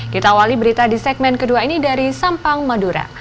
kita awali berita di segmen kedua ini dari sampang madura